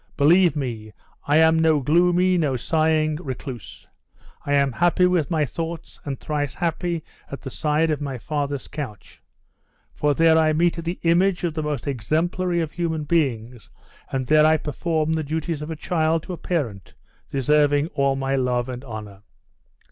believe me, I am no gloomy, no sighing, recluse. I am happy with my thoughts, and thrice happy at the side of my father's couch; for there I meet the image of the most exemplary of human beings, and there I perform the duties of a child to a parent deserving all my love and honor."